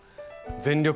「全力！